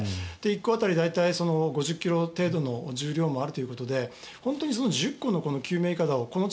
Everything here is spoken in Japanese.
１個当たり大体５０ｋｇ程度の重量もあるということで１０個の救命いかだをこの